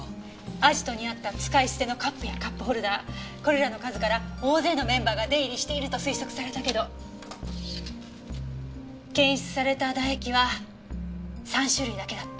アジトにあった使い捨てのカップやカップホルダーこれらの数から大勢のメンバーが出入りしていると推測されたけど検出された唾液は３種類だけだった。